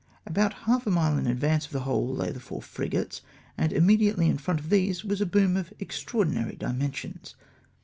About half a mile in advance of the whole lay the four frigates, and immediately in front of these was a boom of extra ordinary dimensions.